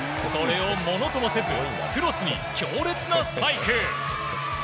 それをものともせずクロスに強烈なスパイク！